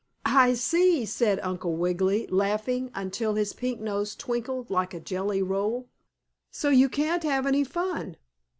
"I see," said Uncle Wiggily, laughing until his pink nose twinkled like a jelly roll. "So you can't have any fun?